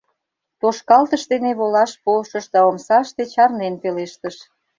Тошкалтыш дене волаш полшыш да омсаште чарнен пелештыш: